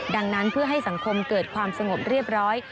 ดังนั้นเพื่อให้สังคมเกิดความสงบเรียบร้อย